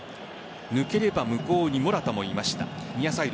抜ければ向こうにモラタもいました。